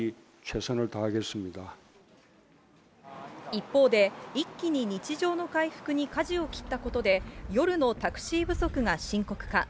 一方で、一気に日常の回復にかじを切ったことで、夜のタクシー不足が深刻化。